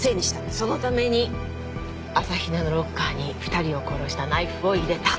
そのために朝比奈のロッカーに２人を殺したナイフを入れた。